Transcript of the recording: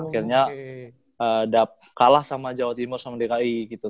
akhirnya kalah sama jawa timur sama dki gitu